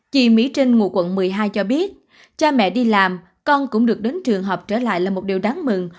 chị mỹ trinh ngụ quận một mươi hai cho biết cha mẹ đi làm con cũng được đến trường học trở lại là một điều đáng mừng